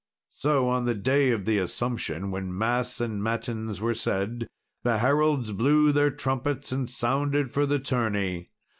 So on the day of the Assumption, when mass and matins were said, the heralds blew their trumpets and sounded for the tourney.